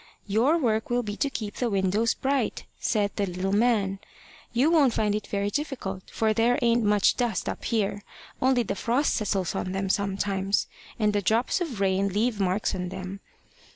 `Your work will be to keep the windows bright,' said the little man. `You won't find it very difficult, for there ain't much dust up here. Only, the frost settles on them sometimes, and the drops of rain leave marks on them.'